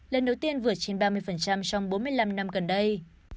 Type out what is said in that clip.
lần đầu tiên vượt trên ba mươi trong bốn mươi năm năm gần đây